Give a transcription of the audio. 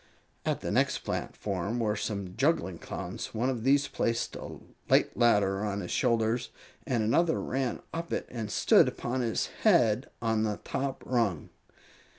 At the next platform were some juggling Clowns. One of these placed a light ladder on his shoulders, and another ran up it and stood upon his head on the top rung.